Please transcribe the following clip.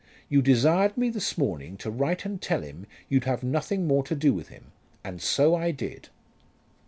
You desired me this morning to write and tell him you'd have nothing more to do with him; and so I did."